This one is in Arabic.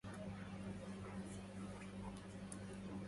كان يبعد منزل فاضل بخمس دقائق فقط من هناك.